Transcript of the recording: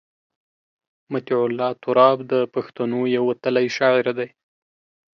مطیع الله تراب د پښتنو یو وتلی شاعر دی.